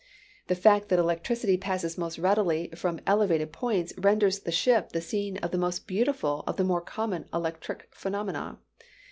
The fact that electricity passes most readily from elevated points, renders the ship the scene of the most beautiful of the more common electric phenomena.